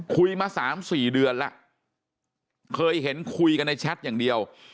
คุยมา๓๔เดือนแล้วเคยเห็นคุยกันในแชทอย่างเดียว